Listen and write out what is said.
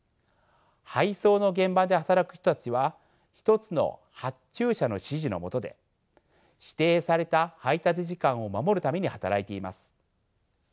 配送の現場で働く人たちは一つの発注者の指示の下で指定された配達時間を守るために働いています。